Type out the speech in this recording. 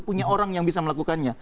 punya orang yang bisa melakukannya